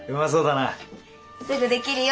すぐできるよ。